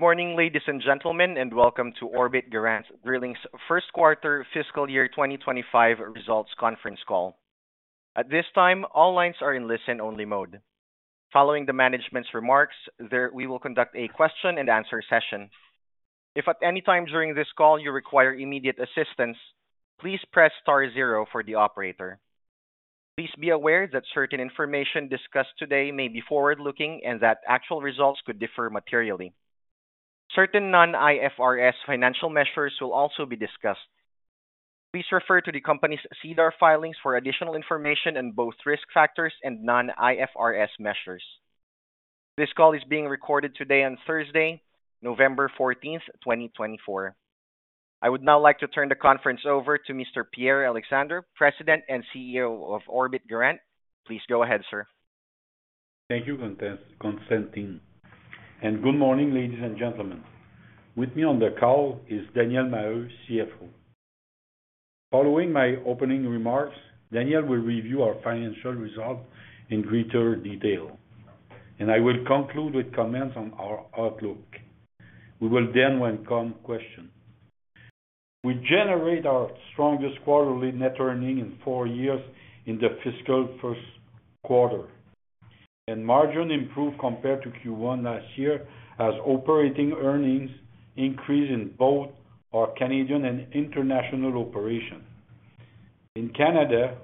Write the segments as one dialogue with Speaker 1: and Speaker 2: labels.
Speaker 1: Good morning, ladies and gentlemen, and welcome to Orbit Garant Drilling's first quarter fiscal year 2025 results conference call. At this time, all lines are in listen-only mode. Following the management's remarks, we will conduct a question-and-answer session. If at any time during this call you require immediate assistance, please press star zero for the operator. Please be aware that certain information discussed today may be forward-looking and that actual results could differ materially. Certain non-IFRS financial measures will also be discussed. Please refer to the company's SEDAR filings for additional information on both risk factors and non-IFRS measures. This call is being recorded today on Thursday, November 14, 2024. I would now like to turn the conference over to Mr. Pierre Alexandre, President and CEO of Orbit Garant. Please go ahead, sir.
Speaker 2: Thank you for consenting. Good morning, ladies and gentlemen. With me on the call is Daniel Maheu, CFO. Following my opening remarks, Daniel will review our financial results in greater detail, and I will conclude with comments on our outlook. We will then welcome questions. We generated our strongest quarterly net earnings in four years in the fiscal first quarter, and margin improved compared to Q1 last year as operating earnings increased in both our Canadian and international operations. In Canada,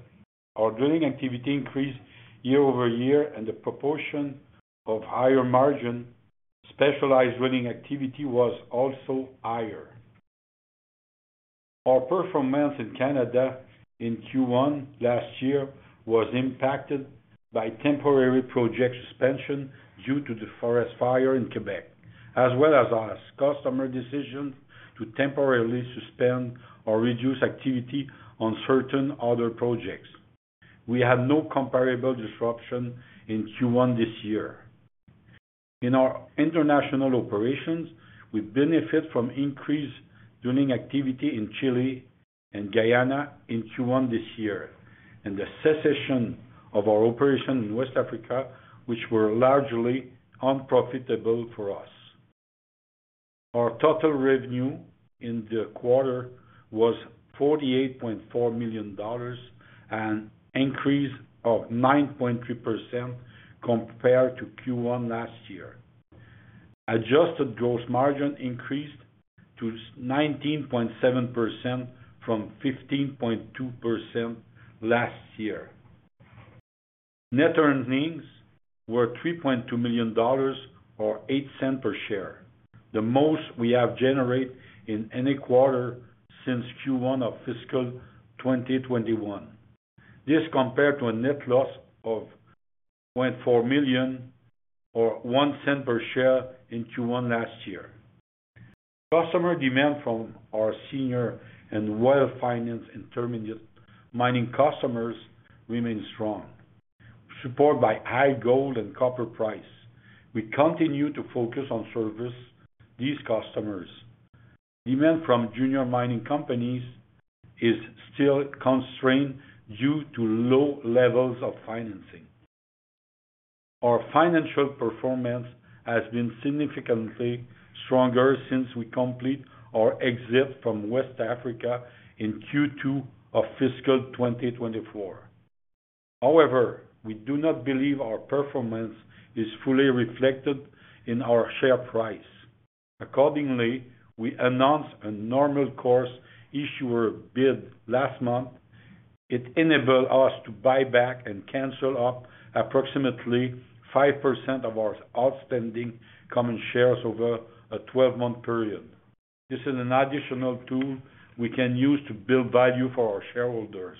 Speaker 2: our drilling activity increased year over year, and the proportion of higher margin specialized drilling activity was also higher. Our performance in Canada in Q1 last year was impacted by temporary project suspension due to the forest fire in Quebec, as well as our customer decision to temporarily suspend or reduce activity on certain other projects. We had no comparable disruption in Q1 this year. In our international operations, we benefited from increased drilling activity in Chile and Guyana in Q1 this year and the cessation of our operation in West Africa, which were largely unprofitable for us. Our total revenue in the quarter was 48.4 million dollars and an increase of 9.3% compared to Q1 last year. Adjusted gross margin increased to 19.7% from 15.2% last year. Net earnings were 3.2 million dollars or 0.08 per share, the most we have generated in any quarter since Q1 of fiscal 2021. This compared to a net loss of 0.4 million or 0.01 per share in Q1 last year. Customer demand from our senior and well-financed and intermediate mining customers remains strong, supported by high gold and copper prices. We continue to focus on serving these customers. Demand from junior mining companies is still constrained due to low levels of financing. Our financial performance has been significantly stronger since we completed our exit from West Africa in Q2 of fiscal 2024. However, we do not believe our performance is fully reflected in our share price. Accordingly, we announced a normal course issuer bid last month. It enabled us to buy back and cancel up approximately 5% of our outstanding common shares over a 12-month period. This is an additional tool we can use to build value for our shareholders.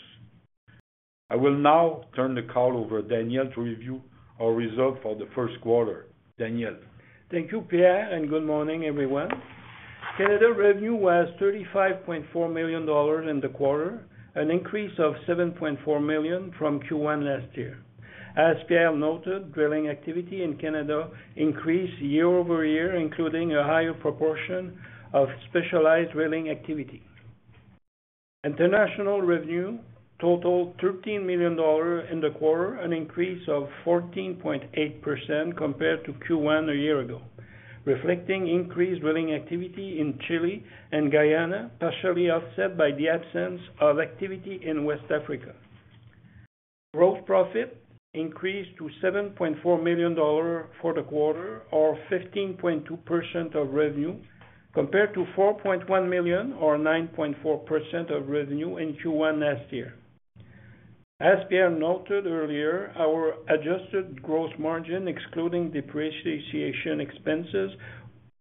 Speaker 2: I will now turn the call over to Daniel to review our results for the first quarter. Daniel.
Speaker 3: Thank you, Pierre, and good morning, everyone. Canada revenue was 35.4 million dollars in the quarter, an increase of 7.4 million from Q1 last year. As Pierre noted, drilling activity in Canada increased year over year, including a higher proportion of specialized drilling activity. International revenue totaled 13 million dollars in the quarter, an increase of 14.8% compared to Q1 a year ago, reflecting increased drilling activity in Chile and Guyana, partially offset by the absence of activity in West Africa. Gross profit increased to 7.4 million dollars for the quarter, or 15.2% of revenue, compared to 4.1 million or 9.4% of revenue in Q1 last year. As Pierre noted earlier, our adjusted gross margin, excluding depreciation expenses,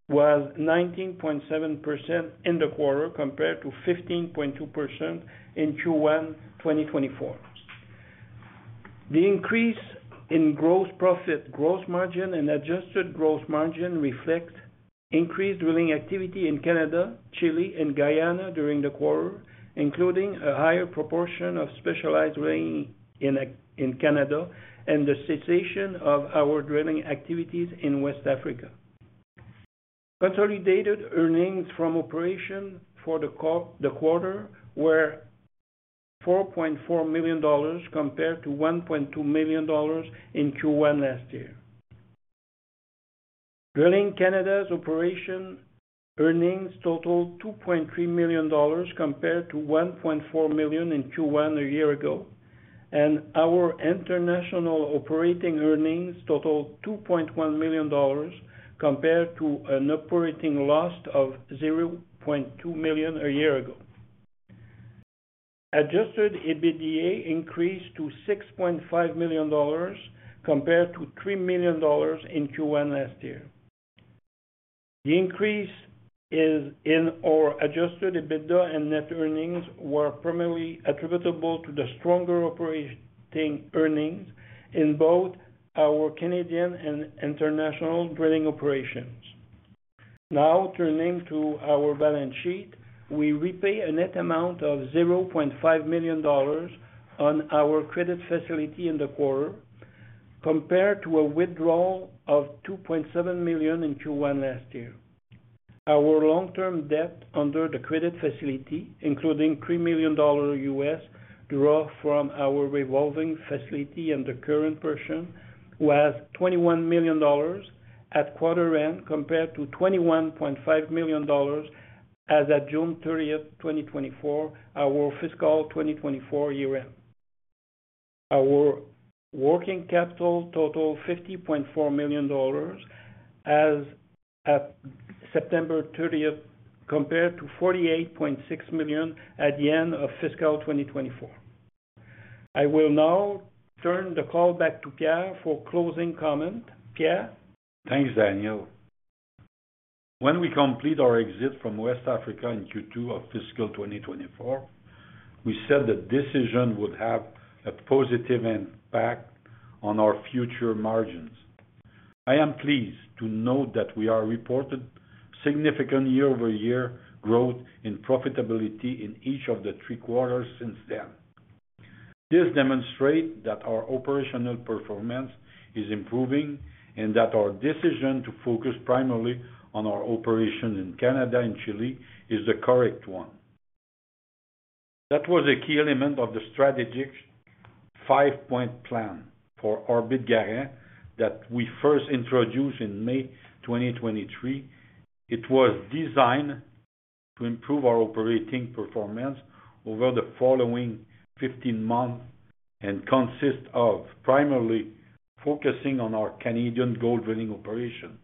Speaker 3: was 19.7% in the quarter compared to 15.2% in Q1 2024. The increase in gross profit, gross margin, and Adjusted Gross Margin reflects increased drilling activity in Canada, Chile, and Guyana during the quarter, including a higher proportion of specialized drilling in Canada and the cessation of our drilling activities in West Africa. Consolidated earnings from operations for the quarter were 4.4 million dollars compared to 1.2 million dollars in Q1 last year. Drilling Canada's operating earnings totaled 2.3 million dollars compared to 1.4 million in Q1 a year ago, and our international operating earnings totaled 2.1 million dollars compared to an operating loss of 0.2 million a year ago. Adjusted EBITDA increased to 6.5 million dollars compared to 3 million dollars in Q1 last year. The increase in our Adjusted EBITDA and net earnings were primarily attributable to the stronger operating earnings in both our Canadian and international drilling operations. Now, turning to our balance sheet, we repay a net amount of 0.5 million dollars on our credit facility in the quarter, compared to a withdrawal of 2.7 million in Q1 last year. Our long-term debt under the credit facility, including $3 million draw from our revolving facility and the current portion, was 21 million dollars at quarter-end compared to 21.5 million dollars as of June 30, 2024, our fiscal 2024 year-end. Our working capital totaled 50.4 million dollars as of September 30, compared to 48.6 million at the end of fiscal 2024. I will now turn the call back to Pierre for closing comment. Pierre?
Speaker 2: Thanks, Daniel. When we complete our exit from West Africa in Q2 of fiscal 2024, we said the decision would have a positive impact on our future margins. I am pleased to note that we have reported significant year-over-year growth in profitability in each of the three quarters since then. This demonstrates that our operational performance is improving and that our decision to focus primarily on our operation in Canada and Chile is the correct one. That was a key element of the strategic five-point plan for Orbit Garant that we first introduced in May 2023. It was designed to improve our operating performance over the following 15 months and consists of primarily focusing on our Canadian gold drilling operation,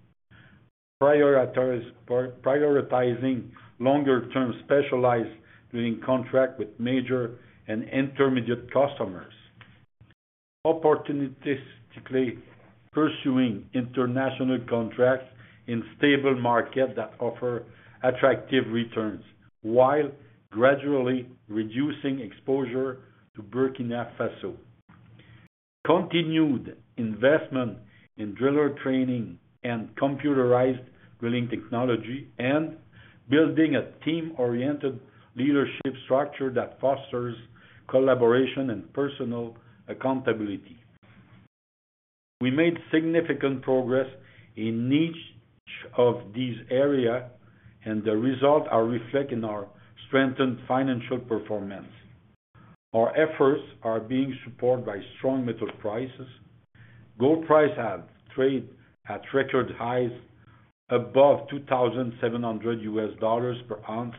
Speaker 2: prioritizing longer-term specialized drilling contracts with major and intermediate customers, opportunistically pursuing international contracts in stable markets that offer attractive returns, while gradually reducing exposure to Burkina Faso. Continued investment in driller training and computerized drilling technology, and building a team-oriented leadership structure that fosters collaboration and personal accountability. We made significant progress in each of these areas, and the results are reflected in our strengthened financial performance. Our efforts are being supported by strong metal prices. Gold prices have traded at record highs above $2,700 per ounce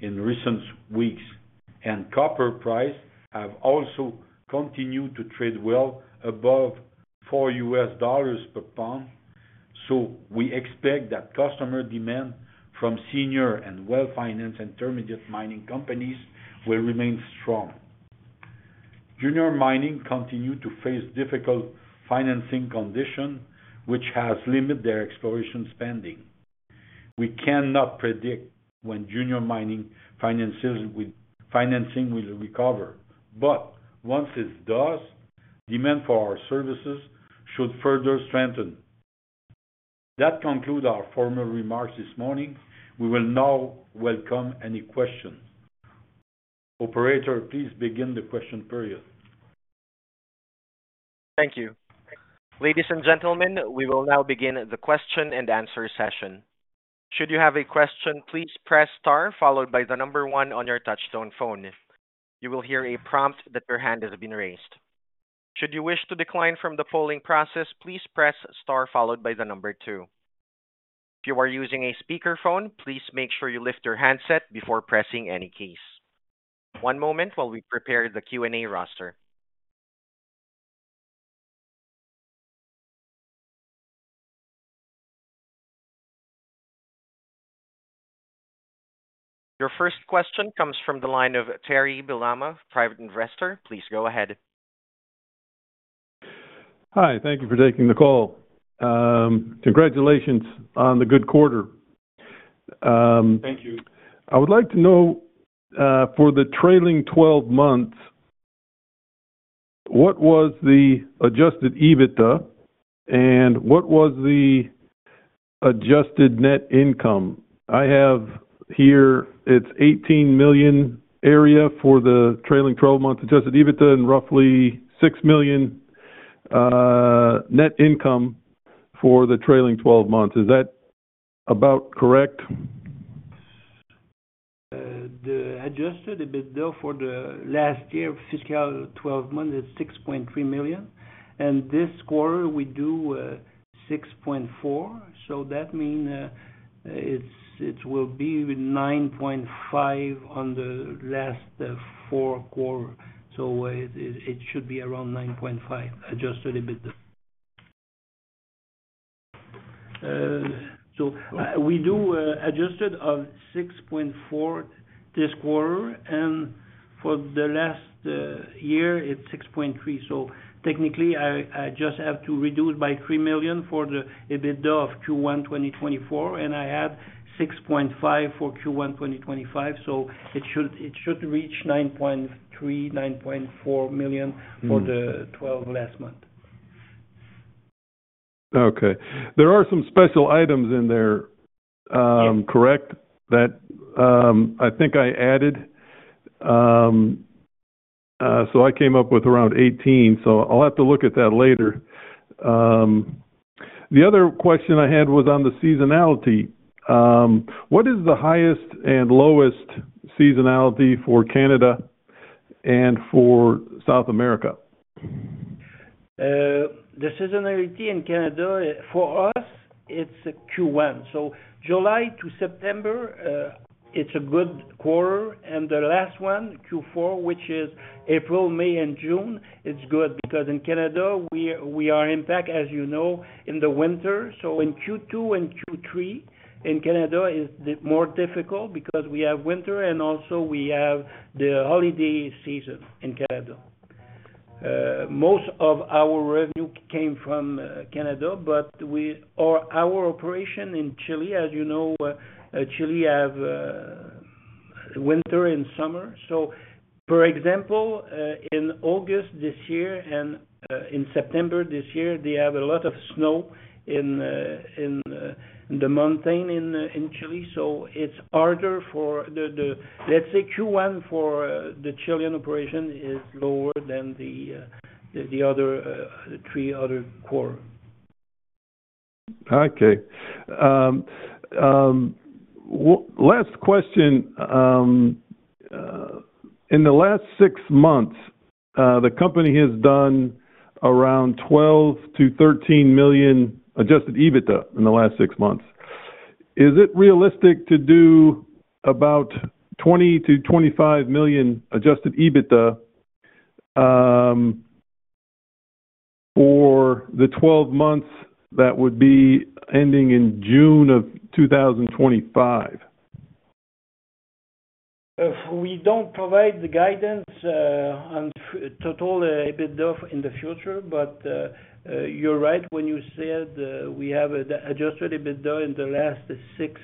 Speaker 2: in recent weeks, and copper prices have also continued to trade well above $4 per pound. So we expect that customer demand from senior and well-financed intermediate mining companies will remain strong. Junior mining continues to face difficult financing conditions, which has limited their exploration spending. We cannot predict when junior mining financing will recover, but once it does, demand for our services should further strengthen. That concludes our formal remarks this morning. We will now welcome any questions. Operator, please begin the question period.
Speaker 1: Thank you. Ladies and gentlemen, we will now begin the question-and-answer session. Should you have a question, please press star followed by the number one on your touch-tone phone. You will hear a prompt that your hand has been raised. Should you wish to decline from the polling process, please press star followed by the number two. If you are using a speakerphone, please make sure you lift your handset before pressing any keys. One moment while we prepare the Q&A roster. Your first question comes from the line of Terry Belama, private investor. Please go ahead. Hi, thank you for taking the call. Congratulations on the good quarter.
Speaker 2: Thank you. I would like to know, for the trailing 12 months, what was the Adjusted EBITDA and what was the adjusted net income? I have here it's 18 million in the area for the trailing 12 months Adjusted EBITDA and roughly 6 million net income for the trailing 12 months. Is that about correct?
Speaker 3: The adjusted EBITDA for the last year fiscal 12 months is 6.3 million, and this quarter we do 6.4 million. So that means it will be 9.5 million on the last four quarters. So it should be around 9.5 million adjusted EBITDA. So we do adjusted of 6.4 million this quarter, and for the last year, it is 6.3 million. So technically, I just have to reduce by 3 million for the EBITDA of Q1 2024, and I add 6.5 million for Q1 2025. So it should reach 9.3 million, 9.4 million for the 12 last month. Okay. There are some special items in there, correct? I think I added, so I came up with around 18 million. So I'll have to look at that later. The other question I had was on the seasonality. What is the highest and lowest seasonality for Canada and for South America? The seasonality in Canada, for us, it's Q1. So July to September, it's a good quarter. And the last one, Q4, which is April, May, and June, it's good because in Canada, we are impacted, as you know, in the winter. So in Q2 and Q3, in Canada, it's more difficult because we have winter and also we have the holiday season in Canada. Most of our revenue came from Canada, but our operation in Chile, as you know, Chile has winter and summer. So, for example, in August this year and in September this year, they have a lot of snow in the mountains in Chile. So it's harder for the, let's say, Q1 for the Chilean operation is lower than the other three quarters. Okay. Last question. In the last six months, the company has done around 12 million-13 million adjusted EBITDA in the last six months. Is it realistic to do about 20 million-25 million adjusted EBITDA for the 12 months that would be ending in June of 2025? If we don't provide the guidance on total EBITDA in the future, but you're right when you said we have Adjusted EBITDA in the last six.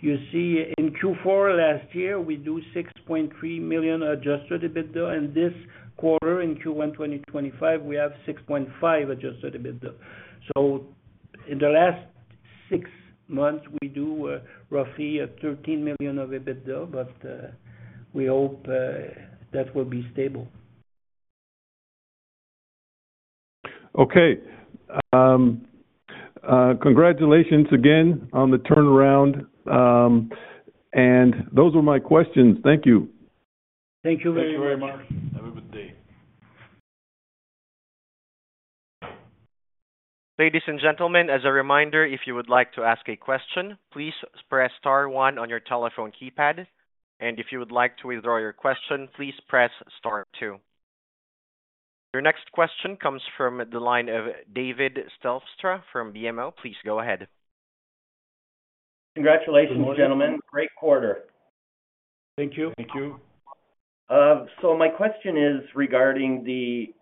Speaker 3: You see, in Q4 last year, we do $6.3 million Adjusted EBITDA, and this quarter, in Q1 2025, we have $6.5 million Adjusted EBITDA. So in the last six months, we do roughly $13 million of EBITDA, but we hope that will be stable. Okay. Congratulations again on the turnaround. And those were my questions. Thank you. Thank you very much.
Speaker 2: Thank you very much. Have a good day.
Speaker 1: Ladies and gentlemen, as a reminder, if you would like to ask a question, please press star one on your telephone keypad. And if you would like to withdraw your question, please press star two. Your next question comes from the line of David Stelpstra from BMO. Please go ahead.
Speaker 4: Congratulations, gentlemen. Great quarter.
Speaker 2: Thank you. Thank you.
Speaker 4: So my question is regarding the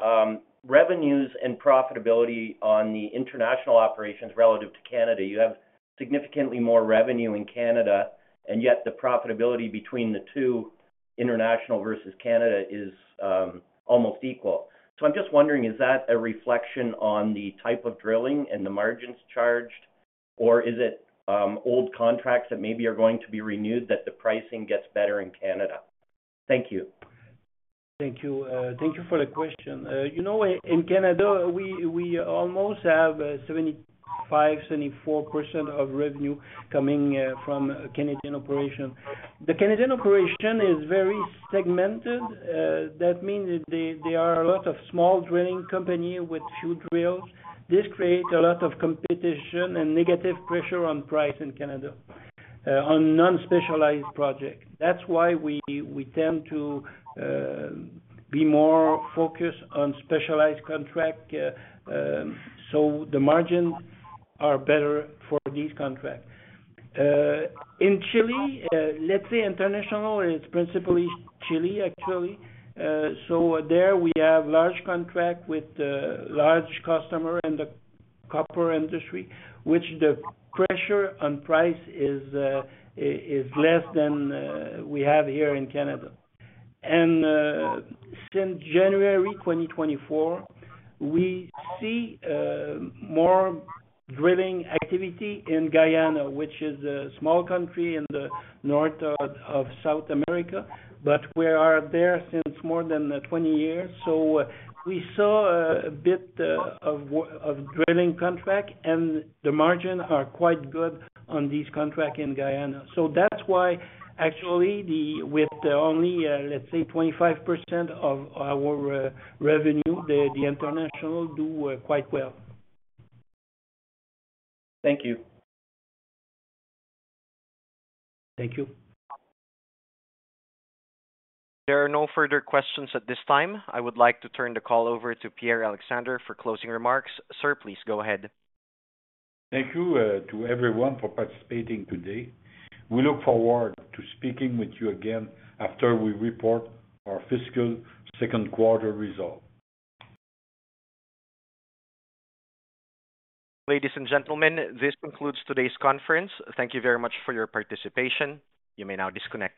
Speaker 4: revenues and profitability on the international operations relative to Canada. You have significantly more revenue in Canada, and yet the profitability between the two, international versus Canada, is almost equal. So I'm just wondering, is that a reflection on the type of drilling and the margins charged, or is it old contracts that maybe are going to be renewed that the pricing gets better in Canada? Thank you.
Speaker 3: Thank you. Thank you for the question. You know, in Canada, we almost have 75%, 74% of revenue coming from Canadian operations. The Canadian operation is very segmented. That means there are a lot of small drilling companies with few drills. This creates a lot of competition and negative pressure on price in Canada on non-specialized projects. That's why we tend to be more focused on specialized contracts so the margins are better for these contracts. In Chile, let's say international is principally Chile, actually. So there we have large contracts with large customers in the copper industry, which the pressure on price is less than we have here in Canada, and since January 2024, we see more drilling activity in Guyana, which is a small country in the north of South America, but we are there since more than 20 years. We saw a bit of drilling contracts, and the margins are quite good on these contracts in Guyana. That's why, actually, with only, let's say, 25% of our revenue, the international do quite well.
Speaker 4: Thank you.
Speaker 3: Thank you.
Speaker 1: There are no further questions at this time. I would like to turn the call over to Pierre Alexandre for closing remarks. Sir, please go ahead.
Speaker 2: Thank you to everyone for participating today. We look forward to speaking with you again after we report our fiscal second quarter result.
Speaker 1: Ladies and gentlemen, this concludes today's conference. Thank you very much for your participation. You may now disconnect.